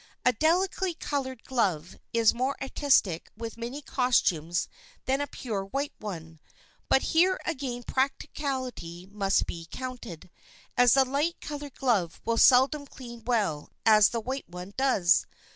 A delicately colored glove is more artistic with many costumes than a pure white one, but here again practicability must be counted, as the light colored glove will seldom clean well and the white one does.